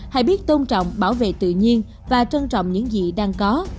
hãy biết tôn trọng bảo vệ tự nhiên và trân trọng những gì đang có